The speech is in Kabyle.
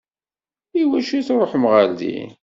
I wacu i tṛuḥemt ɣer din?